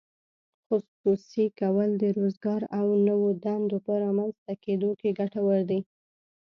خصوصي کول د روزګار او نوو دندو په رامینځته کیدو کې ګټور دي.